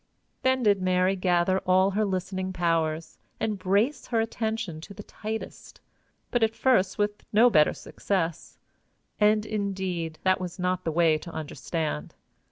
Then did Mary gather all her listening powers, and brace her attention to the tightest but at first with no better success. And, indeed, that was not the way to understand.